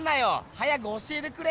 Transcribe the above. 早く教えてくれ！